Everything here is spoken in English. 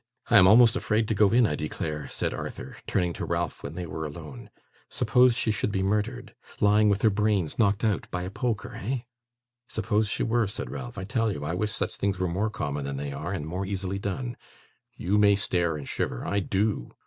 'I am almost afraid to go in, I declare,' said Arthur, turning to Ralph when they were alone. 'Suppose she should be murdered. Lying with her brains knocked out by a poker, eh?' 'Suppose she were,' said Ralph. 'I tell you, I wish such things were more common than they are, and more easily done. You may stare and shiver. I do!